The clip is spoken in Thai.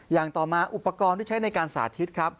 อย่างต่อมาอุปกรณ์ที่ใช้ในการสาธิตครับ